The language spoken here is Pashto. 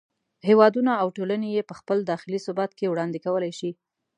هېوادونه او ټولنې یې په خپل داخلي ثبات کې وړاندې کولای شي.